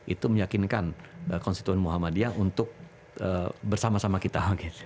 itu meyakinkan konstituen muhammadiyah untuk bersama sama kita